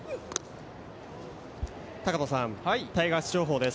高野さん、タイガース情報です。